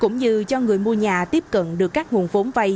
người mua nhà tiếp cận được các nguồn vốn vay